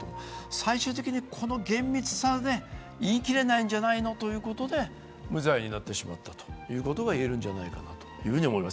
最終的にこの厳密さで、言い切れないんじゃないのということで無罪になってしまったということがいえるんじゃないかと思います。